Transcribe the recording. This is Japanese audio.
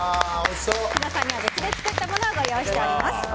皆さんには別で作ったものをご用意しております。